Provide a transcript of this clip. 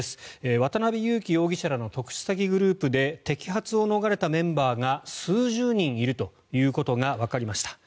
渡邉優樹容疑者らの特殊詐欺グループで摘発を逃れたメンバーが数十人いるということがわかりました。